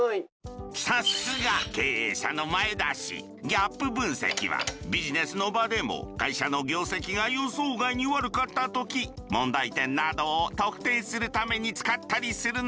ギャップ分析はビジネスの場でも会社の業績が予想外に悪かった時問題点などを特定するために使ったりするのじゃ！